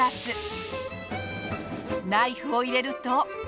ナイフを入れると。